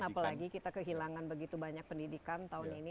apalagi kita kehilangan begitu banyak pendidikan tahun ini